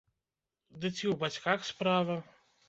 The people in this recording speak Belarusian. Ды ці ў бацьках справа!